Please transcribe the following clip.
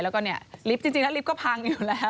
แล้วก็เนี่ยลิฟต์จริงแล้วลิฟต์ก็พังอยู่แล้ว